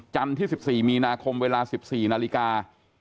ที่๑๔มีนาคมเวลา๑๔นาฬิกา